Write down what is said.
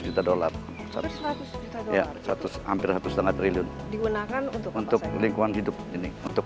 kita dollar seratus seratus ya seratus hampir seratus digunakan untuk lingkungan hidup ini untuk